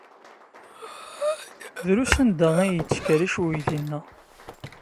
Drus anda ay yettkerric uydi-nneɣ.